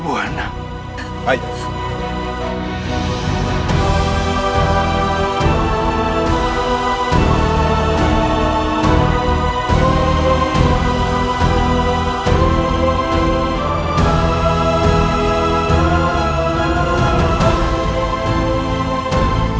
peranagan ini putramu ranggabuana